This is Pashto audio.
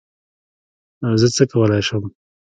زه څه کولی شم؟